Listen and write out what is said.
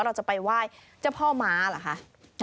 เราจะไปไหว้เจ้าพ่อม้าเหรอคะ